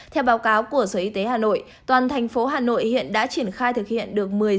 theo báo cáo của sở y tế hà nội toàn thành phố hà nội hiện đã triển khai thực hiện được